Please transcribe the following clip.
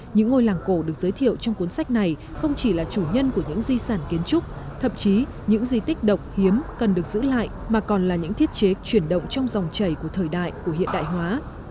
những ngôi làng cổ được giới thiệu trong cuốn sách này không chỉ là chủ nhân của những di sản kiến trúc thậm chí những di tích độc hiếm cần được giữ lại mà còn là những thiết chế chuyển động trong dòng chảy của thời đại của hiện đại hóa